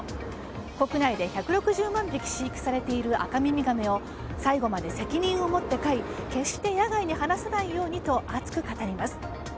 国内で１６０万匹飼育されているアカミミガメを最後まで責任をもって飼い決して野外に放さないようにと熱く語ります。